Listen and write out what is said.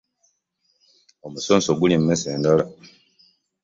Omusonso gulya emmeese endala.